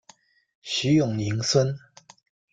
徐永宁孙。